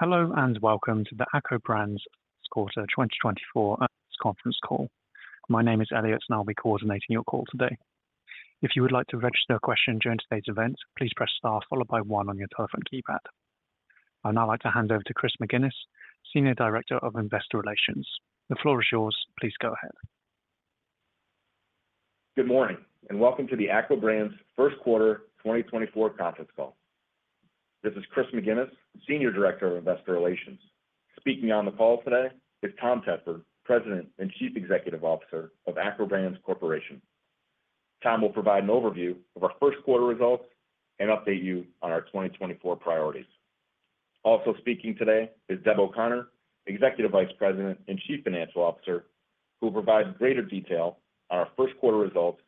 Hello and welcome to the ACCO Brands First Quarter 2024 press conference call. My name is Elliot and I'll be coordinating your call today. If you would like to register a question during today's event, please press star followed by 1 on your telephone keypad. I'd now like to hand over to Chris McGinnis, Senior Director of Investor Relations. The floor is yours. Please go ahead. Good morning and welcome to the ACCO Brands first quarter 2024 conference call. This is Chris McGinnis, Senior Director of Investor Relations. Speaking on the call today is Tom Tedford, President and Chief Executive Officer of ACCO Brands Corporation. Tom will provide an overview of our first quarter results and update you on our 2024 priorities. Also speaking today is Deb O'Connor, Executive Vice President and Chief Financial Officer, who will provide greater detail on our first quarter results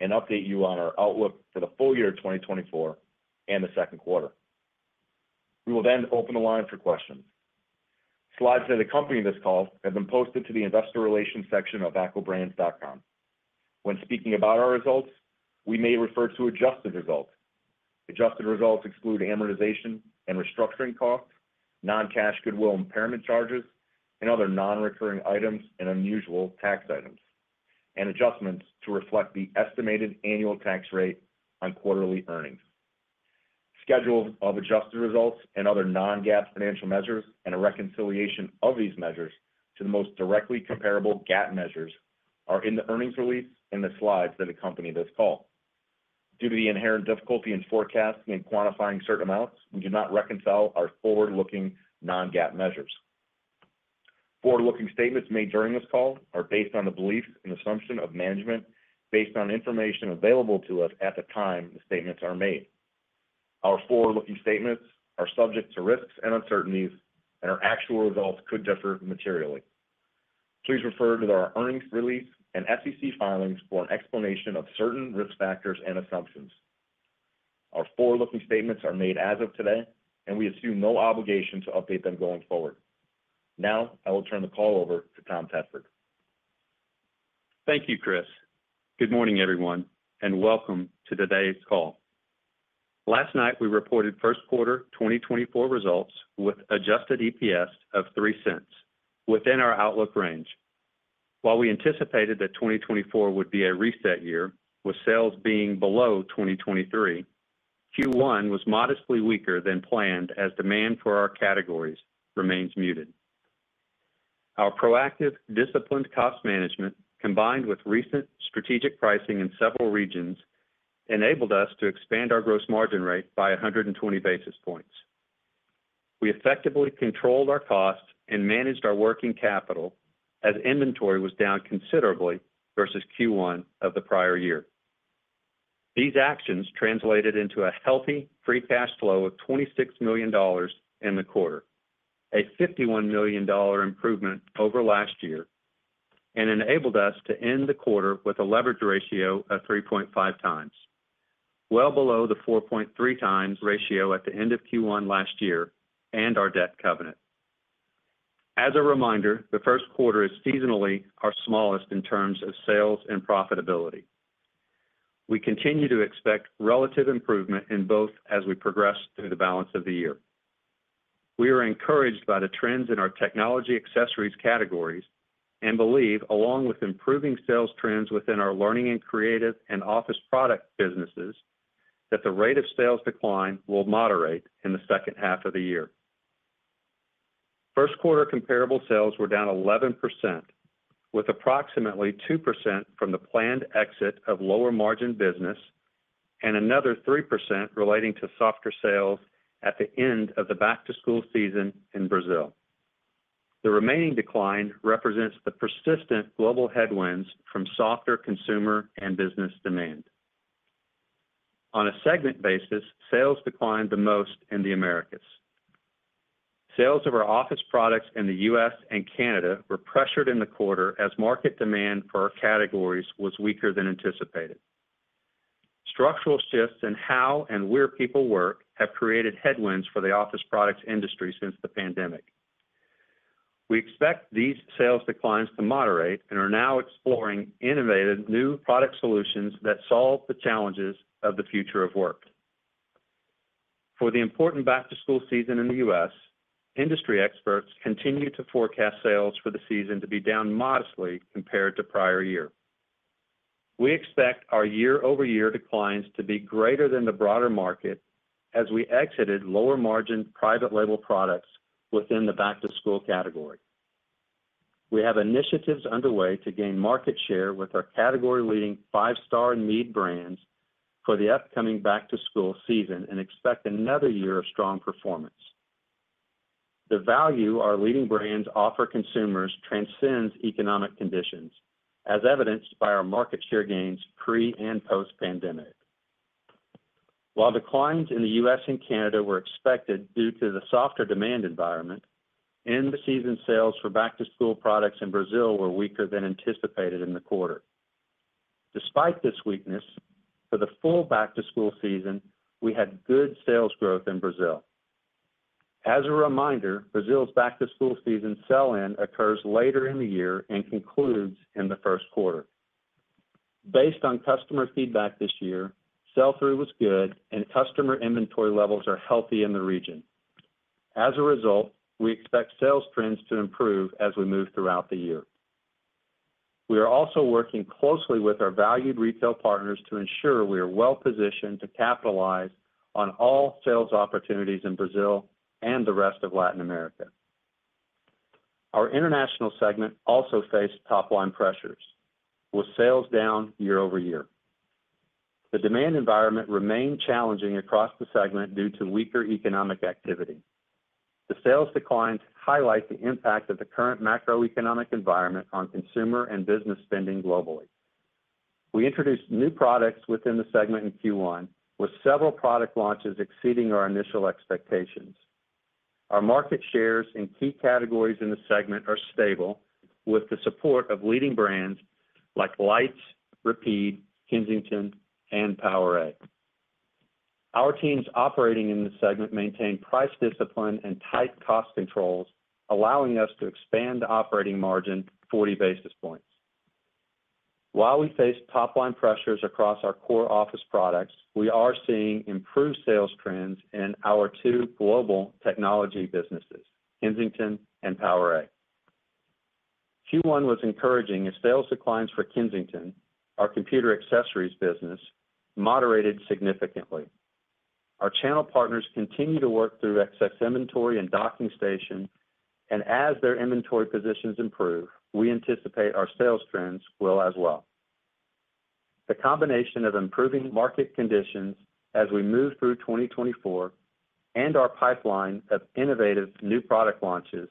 and update you on our outlook for the full year 2024 and the second quarter. We will then open the line for questions. Slides that accompany this call have been posted to the Investor Relations section of accobrands.com. When speaking about our results, we may refer to adjusted results. Adjusted results exclude amortization and restructuring costs, non-cash goodwill impairment charges, and other non-recurring items and unusual tax items, and adjustments to reflect the estimated annual tax rate on quarterly earnings. Schedules of adjusted results and other non-GAAP financial measures and a reconciliation of these measures to the most directly comparable GAAP measures are in the earnings release and the slides that accompany this call. Due to the inherent difficulty in forecasting and quantifying certain amounts, we do not reconcile our forward-looking non-GAAP measures. Forward-looking statements made during this call are based on the beliefs and assumptions of management based on information available to us at the time the statements are made. Our forward-looking statements are subject to risks and uncertainties, and our actual results could differ materially. Please refer to our earnings release and SEC filings for an explanation of certain risk factors and assumptions. Our forward-looking statements are made as of today, and we assume no obligation to update them going forward. Now I will turn the call over to Tom Tedford. Thank you, Chris. Good morning, everyone, and welcome to today's call. Last night we reported first quarter 2024 results with adjusted EPS of $0.03, within our outlook range. While we anticipated that 2024 would be a reset year, with sales being below 2023, Q1 was modestly weaker than planned as demand for our categories remains muted. Our proactive, disciplined cost management, combined with recent strategic pricing in several regions, enabled us to expand our gross margin rate by 120 basis points. We effectively controlled our costs and managed our working capital as inventory was down considerably versus Q1 of the prior year. These actions translated into a healthy free cash flow of $26 million in the quarter, a $51 million improvement over last year, and enabled us to end the quarter with a leverage ratio of 3.5x, well below the 4.3x ratio at the end of Q1 last year and our debt covenant. As a reminder, the first quarter is seasonally our smallest in terms of sales and profitability. We continue to expect relative improvement in both as we progress through the balance of the year. We are encouraged by the trends in our technology accessories categories and believe, along with improving sales trends within our learning and creative and office product businesses, that the rate of sales decline will moderate in the second half of the year. First quarter comparable sales were down 11%, with approximately 2% from the planned exit of lower margin business and another 3% relating to softer sales at the end of the back-to-school season in Brazil. The remaining decline represents the persistent global headwinds from softer consumer and business demand. On a segment basis, sales declined the most in the Americas. Sales of our office products in the U.S. and Canada were pressured in the quarter as market demand for our categories was weaker than anticipated. Structural shifts in how and where people work have created headwinds for the office products industry since the pandemic. We expect these sales declines to moderate and are now exploring innovative new product solutions that solve the challenges of the future of work. For the important back-to-school season in the U.S., industry experts continue to forecast sales for the season to be down modestly compared to prior year. We expect our year-over-year declines to be greater than the broader market as we exited lower margin private label products within the back-to-school category. We have initiatives underway to gain market share with our category-leading Five Star and Mead brands for the upcoming back-to-school season and expect another year of strong performance. The value our leading brands offer consumers transcends economic conditions, as evidenced by our market share gains pre- and post-pandemic. While declines in the U.S. and Canada were expected due to the softer demand environment, end-of-season sales for back-to-school products in Brazil were weaker than anticipated in the quarter. Despite this weakness, for the full back-to-school season, we had good sales growth in Brazil. As a reminder, Brazil's back-to-school season sell-in occurs later in the year and concludes in the first quarter. Based on customer feedback this year, sell-through was good, and customer inventory levels are healthy in the region. As a result, we expect sales trends to improve as we move throughout the year. We are also working closely with our valued retail partners to ensure we are well positioned to capitalize on all sales opportunities in Brazil and the rest of Latin America. Our international segment also faced top-line pressures, with sales down year-over-year. The demand environment remained challenging across the segment due to weaker economic activity. The sales declines highlight the impact of the current macroeconomic environment on consumer and business spending globally. We introduced new products within the segment in Q1, with several product launches exceeding our initial expectations. Our market shares in key categories in the segment are stable, with the support of leading brands like Leitz, Rapid, Kensington, and PowerA. Our teams operating in the segment maintain price discipline and tight cost controls, allowing us to expand the operating margin 40 basis points. While we face top-line pressures across our core office products, we are seeing improved sales trends in our two global technology businesses, Kensington and PowerA. Q1 was encouraging as sales declines for Kensington, our computer accessories business, moderated significantly. Our channel partners continue to work through excess inventory and docking station, and as their inventory positions improve, we anticipate our sales trends will as well. The combination of improving market conditions as we move through 2024 and our pipeline of innovative new product launches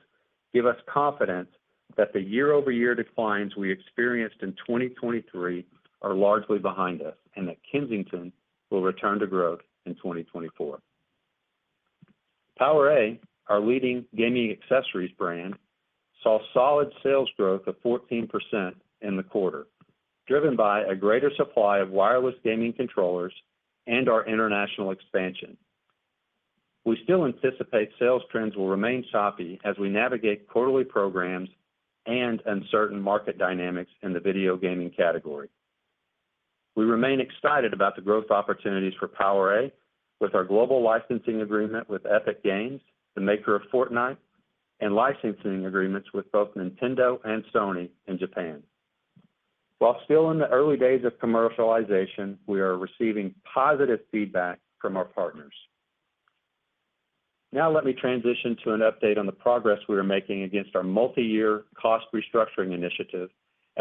give us confidence that the year-over-year declines we experienced in 2023 are largely behind us and that Kensington will return to growth in 2024. PowerA, our leading gaming accessories brand, saw solid sales growth of 14% in the quarter, driven by a greater supply of wireless gaming controllers and our international expansion. We still anticipate sales trends will remain choppy as we navigate quarterly programs and uncertain market dynamics in the video gaming category. We remain excited about the growth opportunities for PowerA with our global licensing agreement with Epic Games, the maker of Fortnite, and licensing agreements with both Nintendo and Sony in Japan. While still in the early days of commercialization, we are receiving positive feedback from our partners. Now let me transition to an update on the progress we are making against our multi-year cost restructuring initiative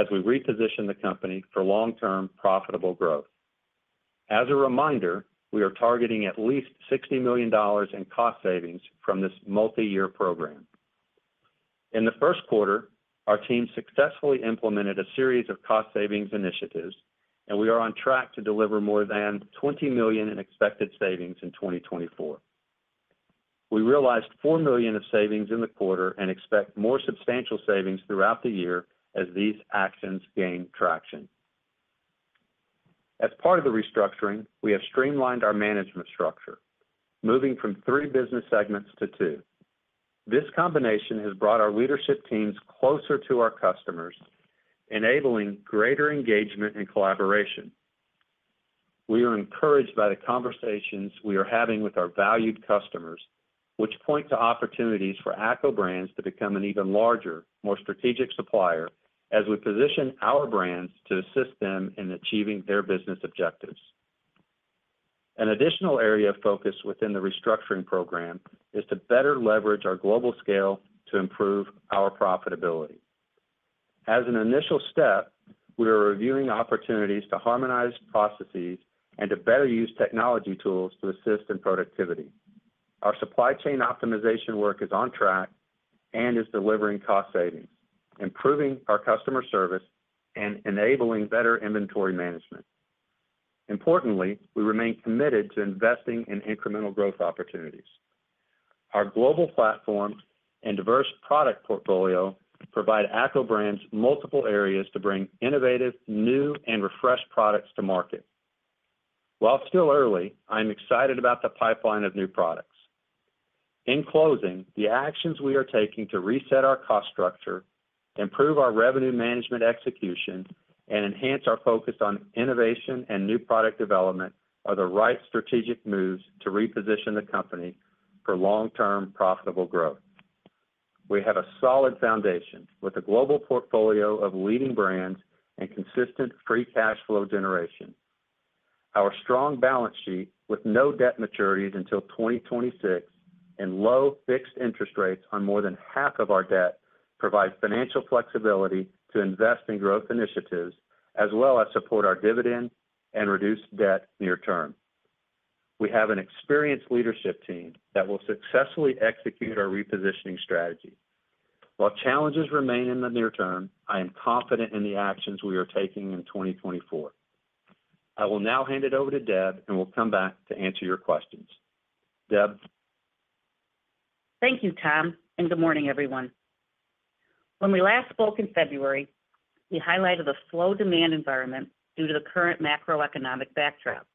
as we reposition the company for long-term profitable growth. As a reminder, we are targeting at least $60 million in cost savings from this multi-year program. In the first quarter, our team successfully implemented a series of cost savings initiatives, and we are on track to deliver more than $20 million in expected savings in 2024. We realized $4 million of savings in the quarter and expect more substantial savings throughout the year as these actions gain traction. As part of the restructuring, we have streamlined our management structure, moving from three business segments to two. This combination has brought our leadership teams closer to our customers, enabling greater engagement and collaboration. We are encouraged by the conversations we are having with our valued customers, which point to opportunities for ACCO Brands to become an even larger, more strategic supplier as we position our brands to assist them in achieving their business objectives. An additional area of focus within the restructuring program is to better leverage our global scale to improve our profitability. As an initial step, we are reviewing opportunities to harmonize processes and to better use technology tools to assist in productivity. Our supply chain optimization work is on track and is delivering cost savings, improving our customer service, and enabling better inventory management. Importantly, we remain committed to investing in incremental growth opportunities. Our global platform and diverse product portfolio provide ACCO Brands multiple areas to bring innovative, new, and refreshed products to market. While still early, I am excited about the pipeline of new products. In closing, the actions we are taking to reset our cost structure, improve our revenue management execution, and enhance our focus on innovation and new product development are the right strategic moves to reposition the company for long-term profitable growth. We have a solid foundation with a global portfolio of leading brands and consistent free cash flow generation. Our strong balance sheet with no debt maturities until 2026 and low fixed interest rates on more than half of our debt provide financial flexibility to invest in growth initiatives as well as support our dividend and reduce debt near term. We have an experienced leadership team that will successfully execute our repositioning strategy. While challenges remain in the near term, I am confident in the actions we are taking in 2024. I will now hand it over to Deb, and we'll come back to answer your questions. Deb? Thank you, Tom, and good morning, everyone. When we last spoke in February, we highlighted a slow demand environment due to the current macroeconomic backdrop.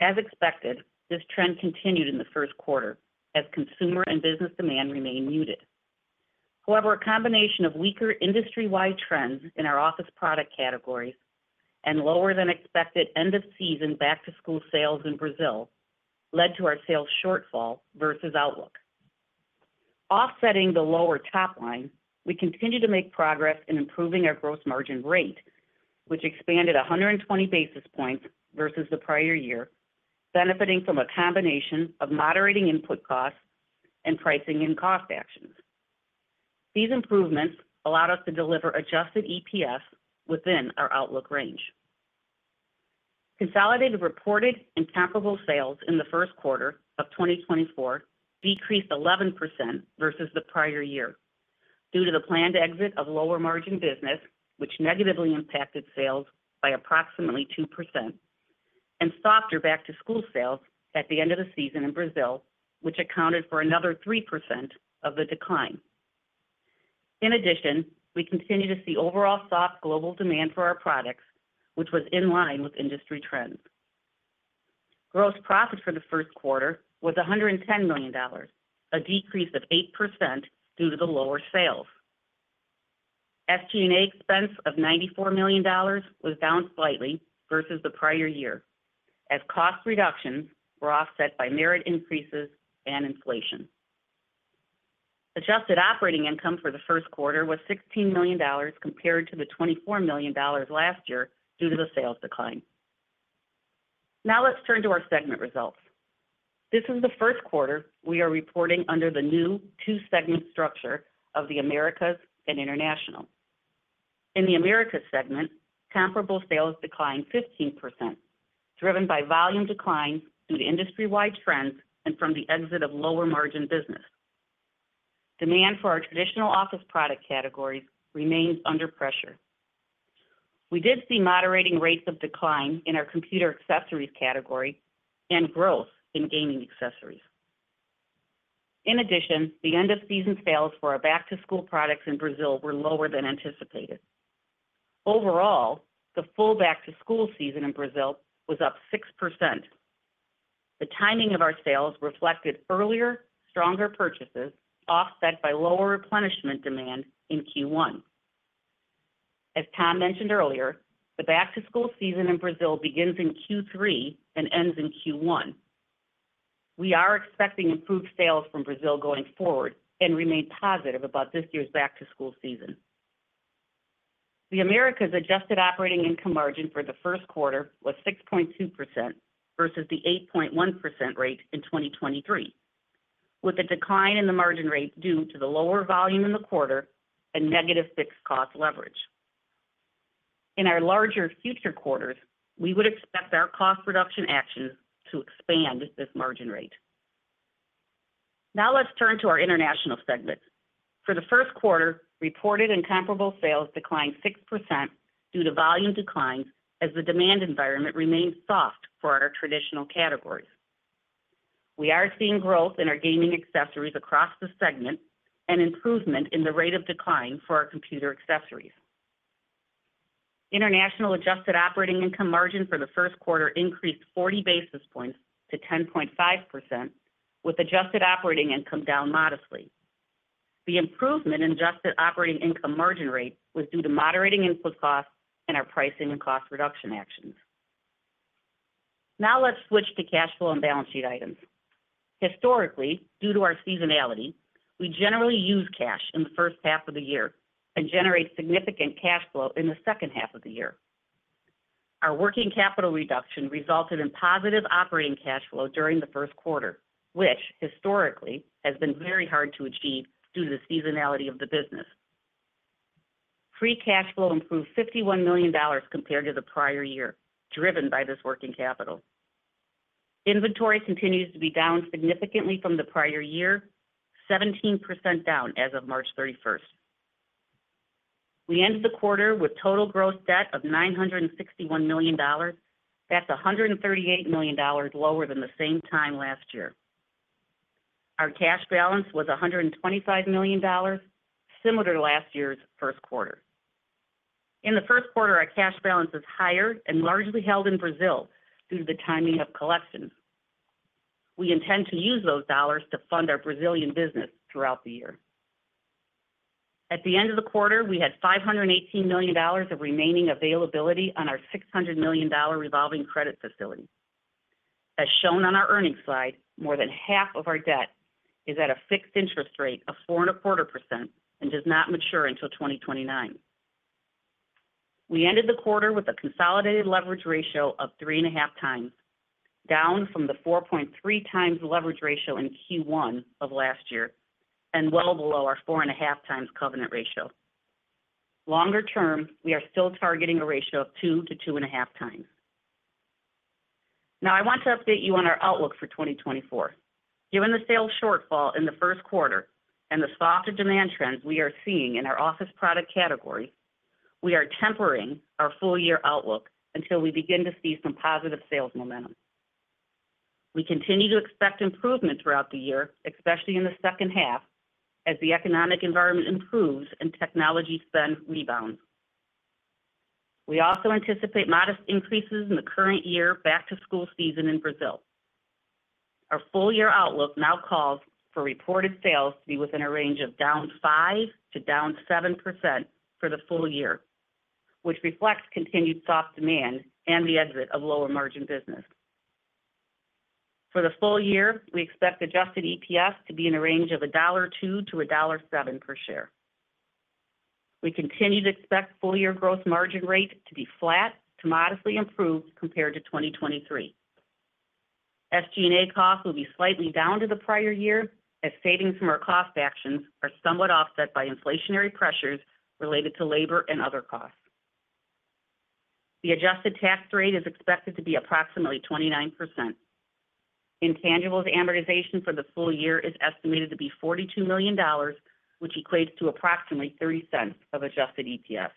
As expected, this trend continued in the first quarter as consumer and business demand remained muted. However, a combination of weaker industry-wide trends in our office product categories and lower-than-expected end-of-season back-to-school sales in Brazil led to our sales shortfall versus outlook. Offsetting the lower top line, we continue to make progress in improving our gross margin rate, which expanded 120 basis points versus the prior year, benefiting from a combination of moderating input costs and pricing and cost actions. These improvements allowed us to deliver adjusted EPS within our outlook range. Consolidated reported and comparable sales in the first quarter of 2024 decreased 11% versus the prior year due to the planned exit of lower margin business, which negatively impacted sales by approximately 2%, and softer back-to-school sales at the end of the season in Brazil, which accounted for another 3% of the decline. In addition, we continue to see overall soft global demand for our products, which was in line with industry trends. Gross profit for the first quarter was $110 million, a decrease of 8% due to the lower sales. SG&A expense of $94 million was down slightly versus the prior year as cost reductions were offset by merit increases and inflation. Adjusted operating income for the first quarter was $16 million compared to the $24 million last year due to the sales decline. Now let's turn to our segment results. This is the first quarter we are reporting under the new two-segment structure of the Americas and International. In the Americas segment, comparable sales declined 15%, driven by volume declines due to industry-wide trends and from the exit of lower margin business. Demand for our traditional office product categories remains under pressure. We did see moderating rates of decline in our computer accessories category and growth in gaming accessories. In addition, the end-of-season sales for our back-to-school products in Brazil were lower than anticipated. Overall, the full back-to-school season in Brazil was up 6%. The timing of our sales reflected earlier, stronger purchases offset by lower replenishment demand in Q1. As Tom mentioned earlier, the back-to-school season in Brazil begins in Q3 and ends in Q1. We are expecting improved sales from Brazil going forward and remain positive about this year's back-to-school season. The Americas' adjusted operating income margin for the first quarter was 6.2% versus the 8.1% rate in 2023, with a decline in the margin rate due to the lower volume in the quarter and negative fixed cost leverage. In our larger future quarters, we would expect our cost reduction actions to expand this margin rate. Now let's turn to our international segment. For the first quarter, reported and comparable sales declined 6% due to volume declines as the demand environment remained soft for our traditional categories. We are seeing growth in our gaming accessories across the segment and improvement in the rate of decline for our computer accessories. International adjusted operating income margin for the first quarter increased 40 basis points to 10.5%, with adjusted operating income down modestly. The improvement in adjusted operating income margin rate was due to moderating input costs and our pricing and cost reduction actions. Now let's switch to cash flow and balance sheet items. Historically, due to our seasonality, we generally use cash in the first half of the year and generate significant cash flow in the second half of the year. Our working capital reduction resulted in positive operating cash flow during the first quarter, which historically has been very hard to achieve due to the seasonality of the business. Free cash flow improved $51 million compared to the prior year, driven by this working capital. Inventory continues to be down significantly from the prior year, 17% down as of March 31st. We ended the quarter with total gross debt of $961 million. That's $138 million lower than the same time last year. Our cash balance was $125 million, similar to last year's first quarter. In the first quarter, our cash balance is higher and largely held in Brazil due to the timing of collections. We intend to use those dollars to fund our Brazilian business throughout the year. At the end of the quarter, we had $518 million of remaining availability on our $600 million revolving credit facility. As shown on our earnings slide, more than half of our debt is at a fixed interest rate of 4.25% and does not mature until 2029. We ended the quarter with a consolidated leverage ratio of 3.5x, down from the 4.3x leverage ratio in Q1 of last year and well below our 4.5x covenant ratio. Longer term, we are still targeting a ratio of 2-2.5x. Now I want to update you on our outlook for 2024. Given the sales shortfall in the first quarter and the softer demand trends we are seeing in our office product category, we are tempering our full-year outlook until we begin to see some positive sales momentum. We continue to expect improvement throughout the year, especially in the second half, as the economic environment improves and technology spend rebounds. We also anticipate modest increases in the current year back-to-school season in Brazil. Our full-year outlook now calls for reported sales to be within a range of down 5%-7% for the full year, which reflects continued soft demand and the exit of lower margin business. For the full year, we expect adjusted EPS to be in the range of $1.02-$1.07 per share. We continue to expect full-year gross margin rate to be flat to modestly improved compared to 2023. SG&A costs will be slightly down to the prior year as savings from our cost actions are somewhat offset by inflationary pressures related to labor and other costs. The adjusted tax rate is expected to be approximately 29%. Intangibles amortization for the full year is estimated to be $42 million, which equates to approximately $0.30 of adjusted EPS.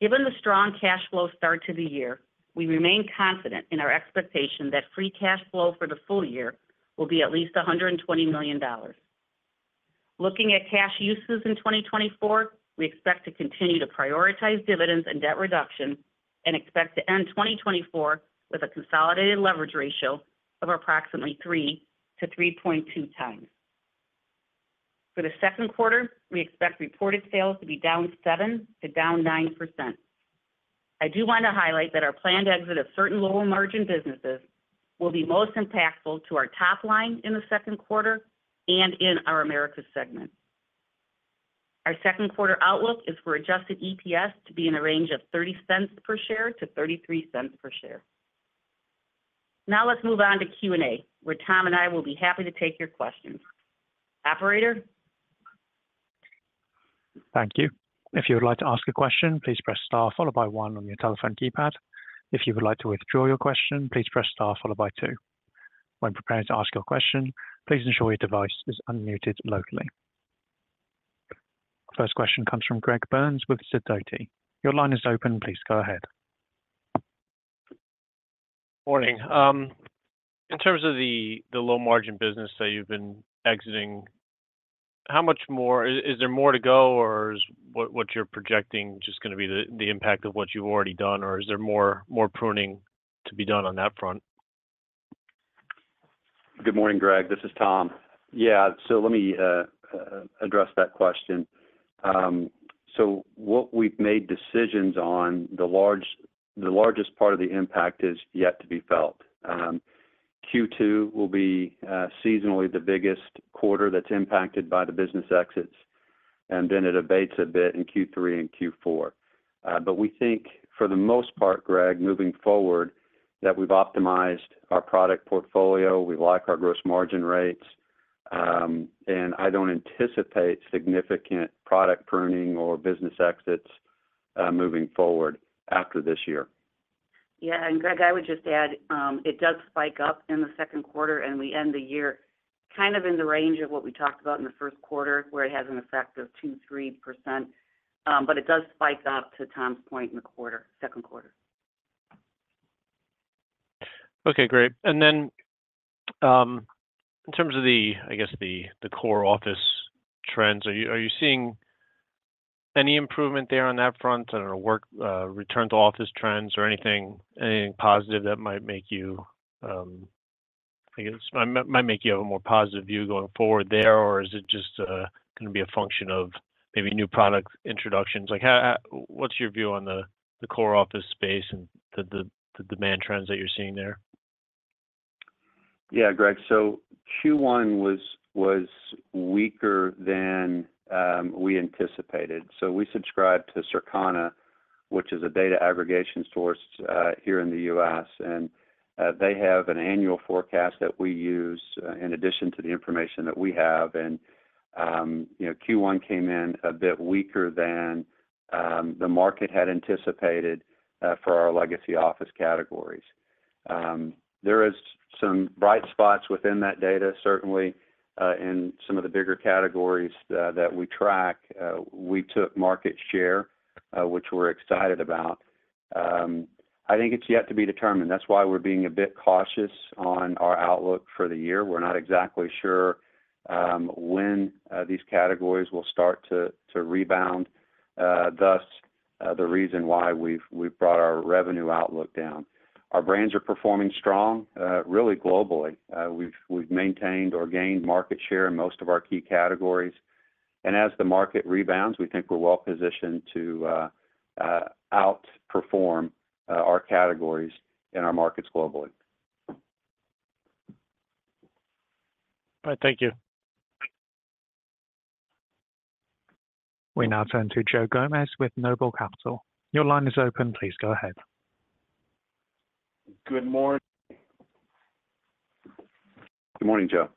Given the strong cash flow start to the year, we remain confident in our expectation that free cash flow for the full year will be at least $120 million. Looking at cash uses in 2024, we expect to continue to prioritize dividends and debt reduction and expect to end 2024 with a consolidated leverage ratio of approximately 3-3.2 times. For the second quarter, we expect reported sales to be down 7%-9%. I do want to highlight that our planned exit of certain lower margin businesses will be most impactful to our top line in the second quarter and in our Americas segment. Our second quarter outlook is for adjusted EPS to be in the range of $0.30-$0.33 per share. Now let's move on to Q&A, where Tom and I will be happy to take your questions. Operator? Thank you. If you would like to ask a question, please press star followed by 1 on your telephone keypad. If you would like to withdraw your question, please press star followed by 2. When preparing to ask your question, please ensure your device is unmuted locally. First question comes from Greg Burns with Sidoti. Your line is open. Please go ahead. Morning. In terms of the low margin business that you've been exiting, is there more to go, or is what you're projecting just going to be the impact of what you've already done, or is there more pruning to be done on that front? Good morning, Greg. This is Tom. Yeah, so let me address that question. So what we've made decisions on, the largest part of the impact is yet to be felt. Q2 will be seasonally the biggest quarter that's impacted by the business exits, and then it abates a bit in Q3 and Q4. But we think, for the most part, Greg, moving forward, that we've optimized our product portfolio. We like our gross margin rates, and I don't anticipate significant product pruning or business exits moving forward after this year. Yeah. And Greg, I would just add, it does spike up in the second quarter, and we end the year kind of in the range of what we talked about in the first quarter, where it has an effect of 2%-3%. But it does spike up to Tom's point in the second quarter. Okay, great. And then in terms of, I guess, the core office trends, are you seeing any improvement there on that front? I don't know, return to office trends or anything positive that might make you I guess might make you have a more positive view going forward there, or is it just going to be a function of maybe new product introductions? What's your view on the core office space and the demand trends that you're seeing there? Yeah, Greg. So Q1 was weaker than we anticipated. We subscribed to Circana, which is a data aggregation source here in the U.S.. And they have an annual forecast that we use in addition to the information that we have. And Q1 came in a bit weaker than the market had anticipated for our legacy office categories. There are some bright spots within that data, certainly. In some of the bigger categories that we track, we took market share, which we're excited about. I think it's yet to be determined. That's why we're being a bit cautious on our outlook for the year. We're not exactly sure when these categories will start to rebound, thus the reason why we've brought our revenue outlook down. Our brands are performing strong, really globally. We've maintained or gained market share in most of our key categories. As the market rebounds, we think we're well positioned to outperform our categories in our markets globally. All right. Thank you. We now turn to Joe Gomes with Noble Capital. Your line is open. Please go ahead. Good morning. Good morning, Joe.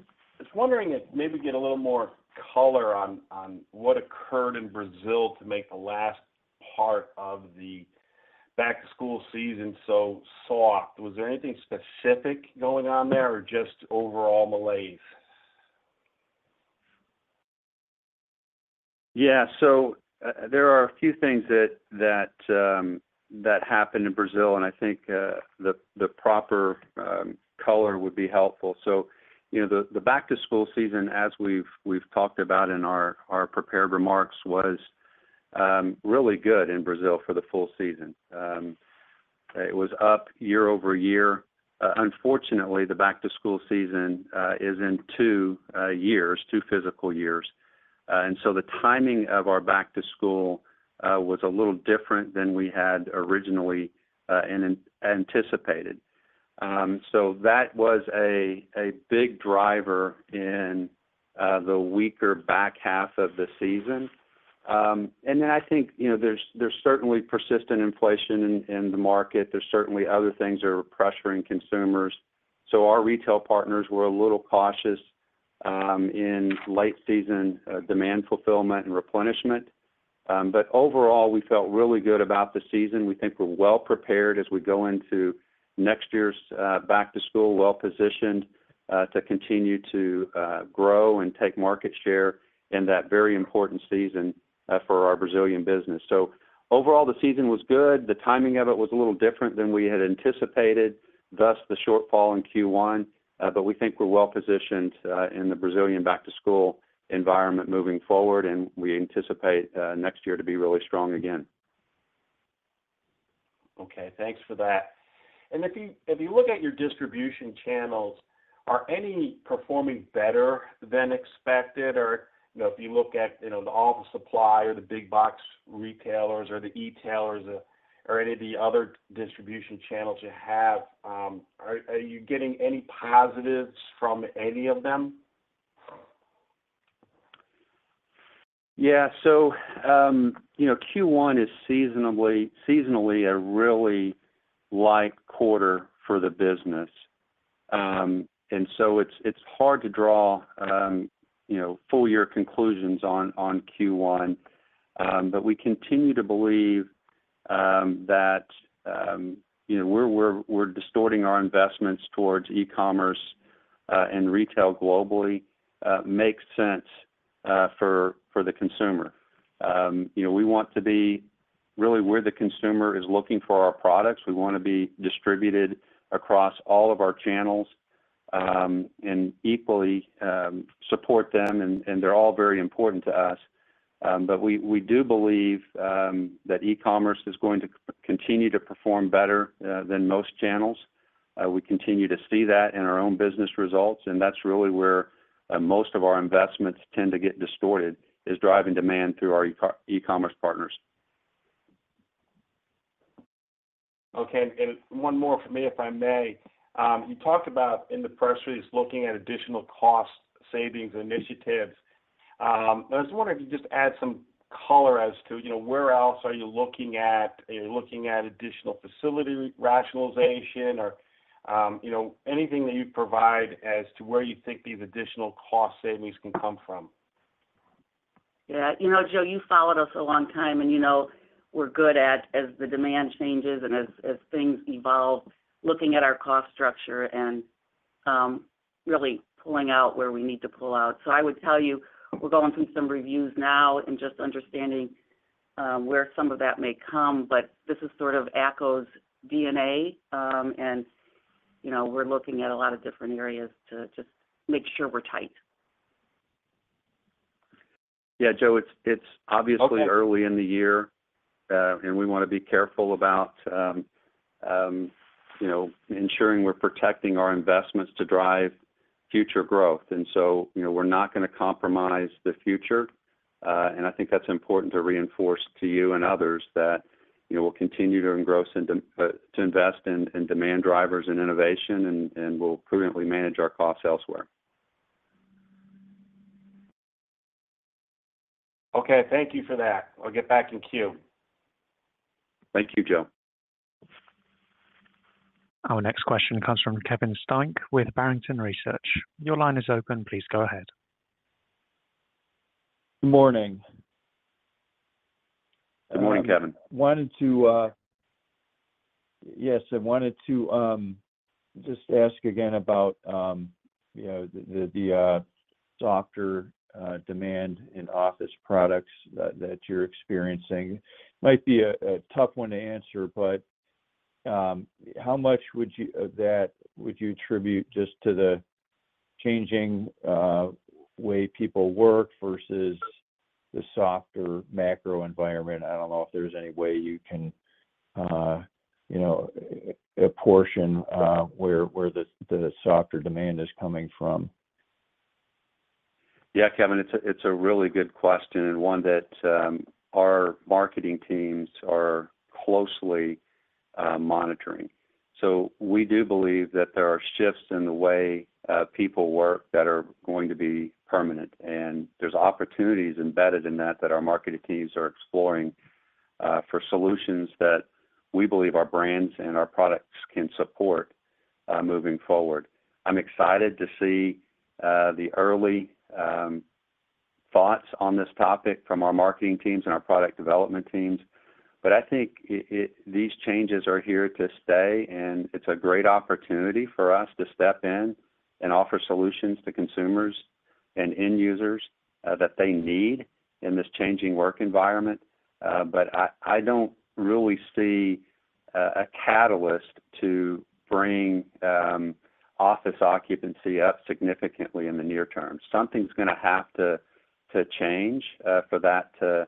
I was wondering if maybe get a little more color on what occurred in Brazil to make the last part of the back-to-school season so soft? Was there anything specific going on there, or just overall malaise? Yeah. So there are a few things that happened in Brazil, and I think the proper color would be helpful. So the back-to-school season, as we've talked about in our prepared remarks, was really good in Brazil for the full season. It was up year-over-year. Unfortunately, the back-to-school season is in two years, two physical years. And so the timing of our back-to-school was a little different than we had originally anticipated. So that was a big driver in the weaker back half of the season. And then I think there's certainly persistent inflation in the market. There's certainly other things that are pressuring consumers. So our retail partners were a little cautious in late-season demand fulfillment and replenishment. But overall, we felt really good about the season. We think we're well prepared as we go into next year's back-to-school, well positioned to continue to grow and take market share in that very important season for our Brazilian business. So overall, the season was good. The timing of it was a little different than we had anticipated, thus the shortfall in Q1. But we think we're well positioned in the Brazilian back-to-school environment moving forward, and we anticipate next year to be really strong again. Okay. Thanks for that. And if you look at your distribution channels, are any performing better than expected? Or if you look at the office supply or the big-box retailers or the e-tellers or any of the other distribution channels you have, are you getting any positives from any of them? Yeah. So Q1 is seasonally a really light quarter for the business. And so it's hard to draw full-year conclusions on Q1. But we continue to believe that we're distorting our investments towards e-commerce and retail globally makes sense for the consumer. We want to be really where the consumer is looking for our products. We want to be distributed across all of our channels and equally support them. And they're all very important to us. But we do believe that e-commerce is going to continue to perform better than most channels. We continue to see that in our own business results. And that's really where most of our investments tend to get distorted, is driving demand through our e-commerce partners. Okay. And one more for me, if I may. You talked about in the press release looking at additional cost savings initiatives. I just wonder if you could just add some color as to where else are you looking at? Are you looking at additional facility rationalization or anything that you provide as to where you think these additional cost savings can come from? Yeah. Joe, you've followed us a long time, and we're good at, as the demand changes and as things evolve, looking at our cost structure and really pulling out where we need to pull out. So I would tell you, we're going through some reviews now and just understanding where some of that may come. But this sort of ACCO's DNA, and we're looking at a lot of different areas to just make sure we're tight. Yeah, Joe, it's obviously early in the year, and we want to be careful about ensuring we're protecting our investments to drive future growth. And so we're not going to compromise the future. And I think that's important to reinforce to you and others that we'll continue to engross and to invest in demand drivers and innovation, and we'll prudently manage our costs elsewhere. Okay. Thank you for that. I'll get back in queue. Thank you, Joe. Our next question comes from Kevin Steinke with Barrington Research. Your line is open. Please go ahead. Good morning. Good morning, Kevin. I wanted to just ask again about the softer demand in office products that you're experiencing. Might be a tough one to answer, but how much of that would you attribute just to the changing way people work versus the softer macro environment? I don't know if there's any way you can apportion where the softer demand is coming from. Yeah, Kevin, it's a really good question and one that our marketing teams are closely monitoring. So we do believe that there are shifts in the way people work that are going to be permanent. And there's opportunities embedded in that that our marketing teams are exploring for solutions that we believe our brands and our products can support moving forward. I'm excited to see the early thoughts on this topic from our marketing teams and our product development teams. But I think these changes are here to stay, and it's a great opportunity for us to step in and offer solutions to consumers and end users that they need in this changing work environment. But I don't really see a catalyst to bring office occupancy up significantly in the near term. Something's going to have to change for that to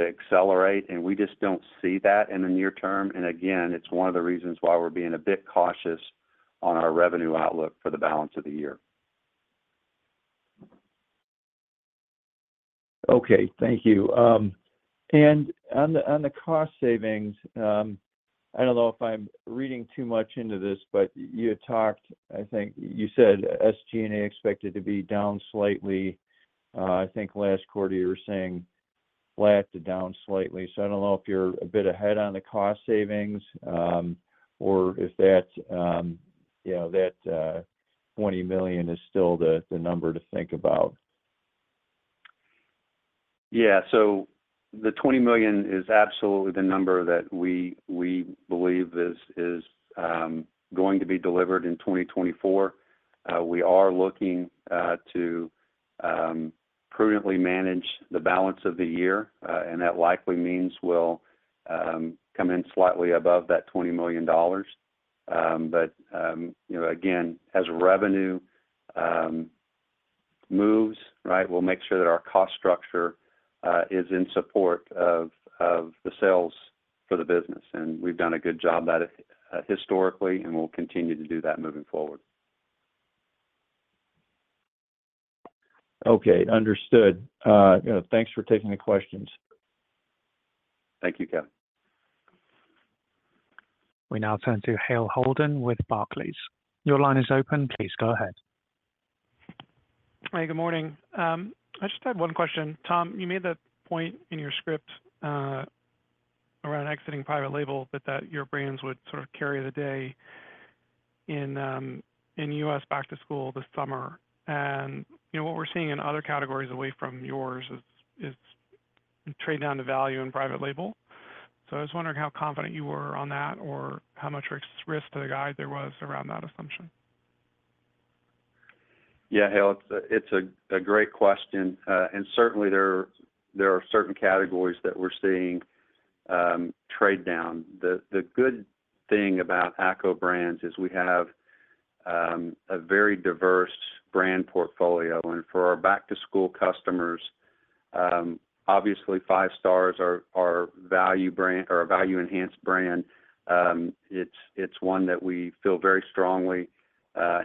accelerate, and we just don't see that in the near term. And again, it's one of the reasons why we're being a bit cautious on our revenue outlook for the balance of the year. Okay. Thank you. And on the cost savings, I don't know if I'm reading too much into this, but you had talked I think you said SG&A expected to be down slightly. I think last quarter, you were saying flat to down slightly. So I don't know if you're a bit ahead on the cost savings or if that $20 million is still the number to think about. Yeah. So the $20 million is absolutely the number that we believe is going to be delivered in 2024. We are looking to prudently manage the balance of the year, and that likely means we'll come in slightly above that $20 million. But again, as revenue moves, right, we'll make sure that our cost structure is in support of the sales for the business. And we've done a good job that historically, and we'll continue to do that moving forward. Okay. Understood. Thanks for taking the questions. Thank you, Kevin. We now turn to Hale Holden with Barclays. Your line is open. Please go ahead. Hey, good morning. I just had one question. Tom, you made the point in your script around exiting private label that your brands would sort of carry the day in U.S. back-to-school this summer. And what we're seeing in other categories away from yours is trade down to value in private label. So I was wondering how confident you were on that or how much risk to the guide there was around that assumption. Yeah, Hale, it's a great question. Certainly, there are certain categories that we're seeing trade down. The good thing about ACCO Brands is we have a very diverse brand portfolio. For our back-to-school customers, obviously, Five Star is a value-enhanced brand. It's one that we feel very strongly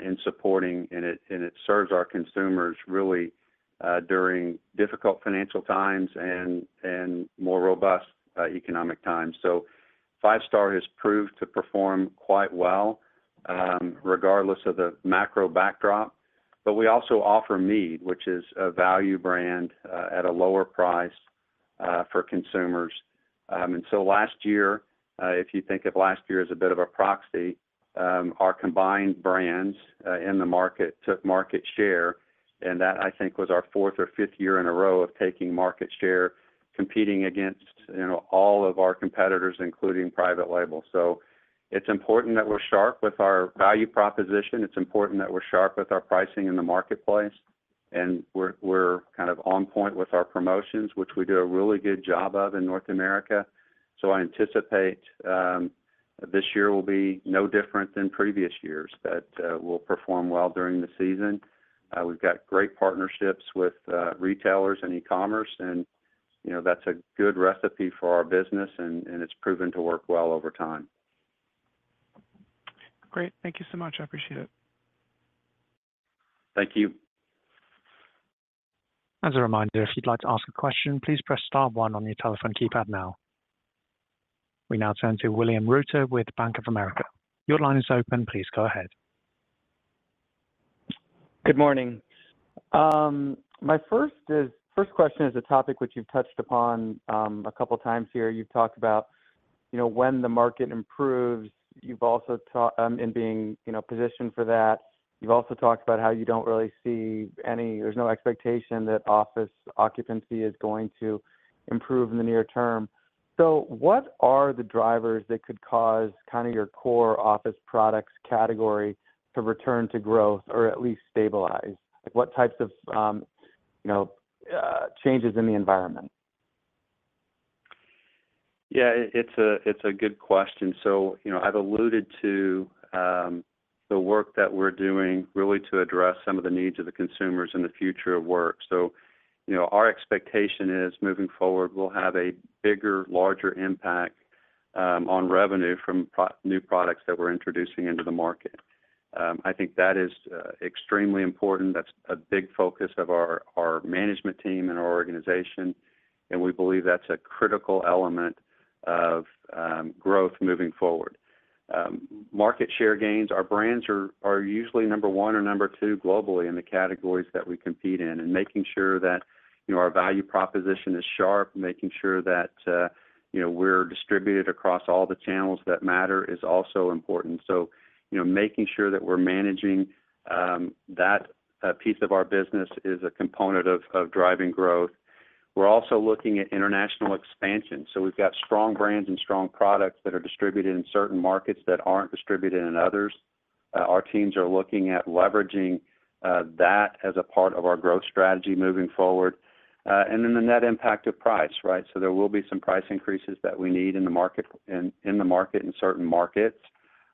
in supporting, and it serves our consumers really during difficult financial times and more robust economic times. Five Star has proved to perform quite well regardless of the macro backdrop. But we also offer Mead, which is a value brand at a lower price for consumers. So last year if you think of last year as a bit of a proxy, our combined brands in the market took market share. That, I think, was our fourth or fifth year in a row of taking market share, competing against all of our competitors, including private label. So it's important that we're sharp with our value proposition. It's important that we're sharp with our pricing in the marketplace. And we're kind of on point with our promotions, which we do a really good job of in North America. So I anticipate this year will be no different than previous years that we'll perform well during the season. We've got great partnerships with retailers and e-commerce, and that's a good recipe for our business, and it's proven to work well over time. Great. Thank you so much. I appreciate it. Thank you. As a reminder, if you'd like to ask a question, please press star one on your telephone keypad now. We now turn to William Reuter with Bank of America. Your line is open. Please go ahead. Good morning. My first question is a topic which you've touched upon a couple of times here. You've talked about when the market improves. You've also talked in being positioned for that. You've also talked about how you don't really see any. There's no expectation that office occupancy is going to improve in the near term. So what are the drivers that could cause kind of your core office products category to return to growth or at least stabilize? What types of changes in the environment? Yeah, it's a good question. So I've alluded to the work that we're doing really to address some of the needs of the consumers in the future of work. So our expectation is moving forward, we'll have a bigger, larger impact on revenue from new products that we're introducing into the market. I think that is extremely important. That's a big focus of our management team and our organization, and we believe that's a critical element of growth moving forward. Market share gains, our brands are usually number one or number two globally in the categories that we compete in. And making sure that our value proposition is sharp, making sure that we're distributed across all the channels that matter is also important. So making sure that we're managing that piece of our business is a component of driving growth. We're also looking at international expansion. So we've got strong brands and strong products that are distributed in certain markets that aren't distributed in others. Our teams are looking at leveraging that as a part of our growth strategy moving forward. And then the net impact of price, right? So there will be some price increases that we need in the market in certain markets.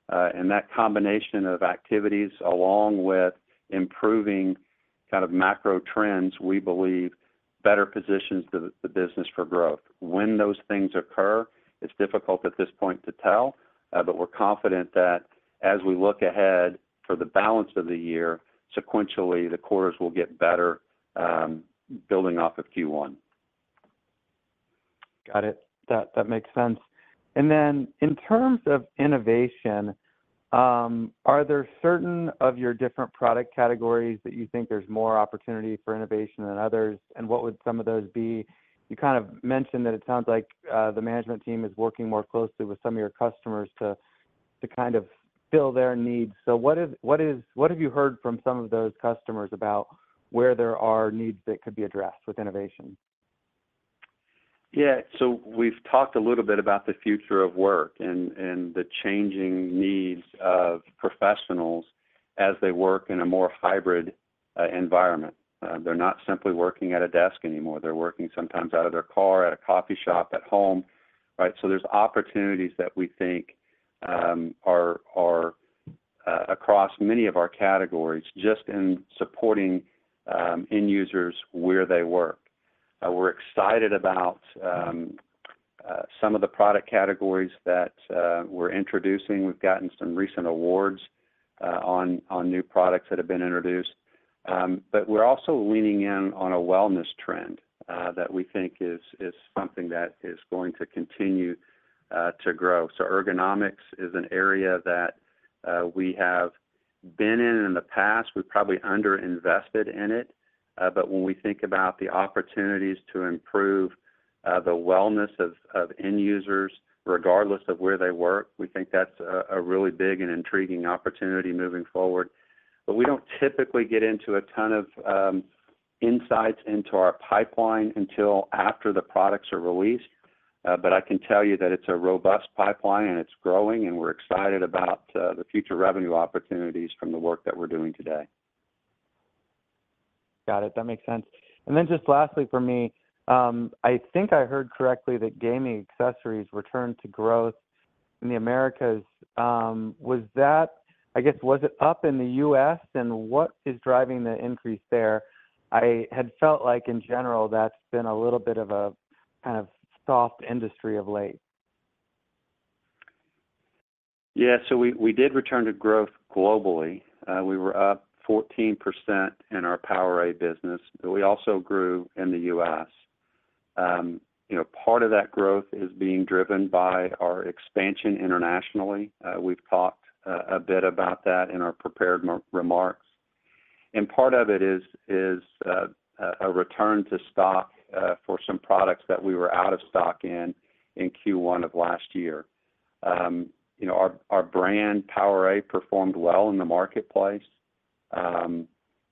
And that combination of activities along with improving kind of macro trends, we believe, better positions the business for growth. When those things occur, it's difficult at this point to tell, but we're confident that as we look ahead for the balance of the year, sequentially, the quarters will get better building off of Q1. Got it. That makes sense. In terms of innovation, are there certain of your different product categories that you think there's more opportunity for innovation than others, and what would some of those be? You kind of mentioned that it sounds like the management team is working more closely with some of your customers to kind of fill their needs. What have you heard from some of those customers about where there are needs that could be addressed with innovation? Yeah. So we've talked a little bit about the future of work and the changing needs of professionals as they work in a more hybrid environment. They're not simply working at a desk anymore. They're working sometimes out of their car, at a coffee shop, at home, right? So there's opportunities that we think are across many of our categories just in supporting end users where they work. We're excited about some of the product categories that we're introducing. We've gotten some recent awards on new products that have been introduced. But we're also leaning in on a wellness trend that we think is something that is going to continue to grow. So ergonomics is an area that we have been in in the past. We've probably underinvested in it. But when we think about the opportunities to improve the wellness of end users regardless of where they work, we think that's a really big and intriguing opportunity moving forward. But we don't typically get into a ton of insights into our pipeline until after the products are released. But I can tell you that it's a robust pipeline, and it's growing, and we're excited about the future revenue opportunities from the work that we're doing today. Got it. That makes sense. And then just lastly for me, I think I heard correctly that gaming accessories returned to growth in the Americas. I guess, was it up in the U.S., and what is driving the increase there? I had felt like, in general, that's been a little bit of a kind of soft industry of late. Yeah. We did return to growth globally. We were up 14% in our PowerA business, but we also grew in the U.S. Part of that growth is being driven by our expansion internationally. We've talked a bit about that in our prepared remarks. Part of it is a return to stock for some products that we were out of stock in Q1 of last year. Our brand, PowerA, performed well in the marketplace.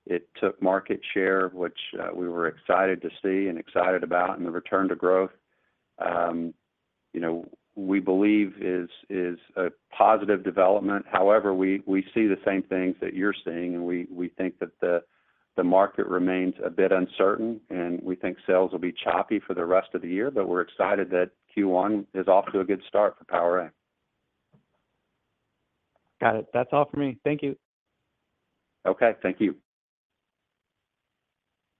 It took market share, which we were excited to see and excited about. The return to growth, we believe, is a positive development. However, we see the same things that you're seeing, and we think that the market remains a bit uncertain, and we think sales will be choppy for the rest of the year. We're excited that Q1 is off to a good start for PowerA. Got it. That's all for me. Thank you. Okay. Thank you.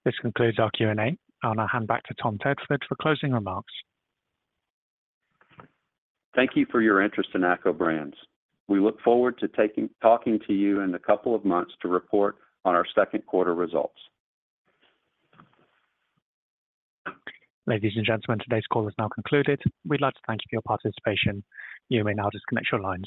This concludes our Q&A. I'll now hand back to Tom Tedford for closing remarks. Thank you for your interest in ACCO Brands. We look forward to talking to you in a couple of months to report on our second quarter results. Ladies and gentlemen, today's call is now concluded. We'd like to thank you for your participation. You may now disconnect your lines.